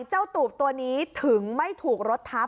ตูบตัวนี้ถึงไม่ถูกรถทับ